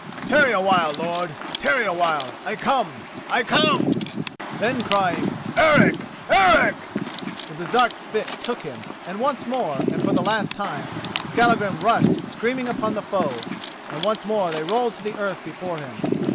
Tarry a while, lord; tarry a while—I come—I come!" Then crying "Eric! Eric!" the Baresark fit took him, and once more and for the last time Skallagrim rushed screaming upon the foe, and once more they rolled to earth before him.